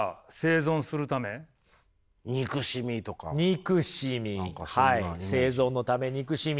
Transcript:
憎しみ生存のため憎しみ。